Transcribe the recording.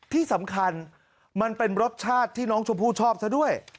ที่สำคัญมันเป็นรสชาติที่น้องชมพู่ชอบซะด้วย